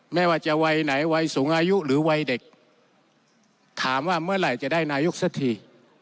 ไม่ว่าจะวัยไหนวัยสูงอายุหรือวัยเด็กถามว่าเมื่อไหร่จะได้นายกสักที